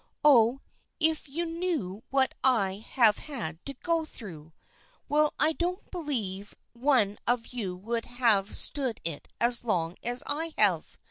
Oh, if you knew what I have had to go through ! Well, I don't believe one of you would have stood it as long as I have.